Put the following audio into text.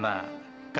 saya lebih tertutup